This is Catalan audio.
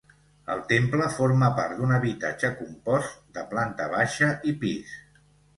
El temple forma part d'un habitatge compost de planta baixa i pis.